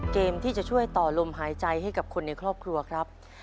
เกมที่จะช่วยต่อลมหายใจให้กับคนในครอบครัวครับ